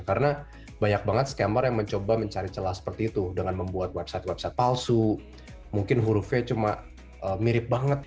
karena banyak banget scammer yang mencoba mencari celah seperti itu dengan membuat website website palsu mungkin hurufnya cuma mirip banget